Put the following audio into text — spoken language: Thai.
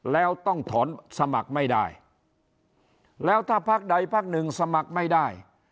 แล้วต้องถอนสมัครไม่ได้แล้วถ้าพักใดพักหนึ่งสมัครไม่ได้